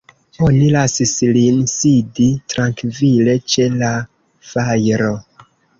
Oni lasis lin sidi trankvile ĉe la fajro.